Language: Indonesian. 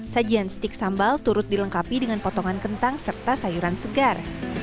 sajian stik sambal turut dilengkapi dengan potongan kentang serta sayuran segar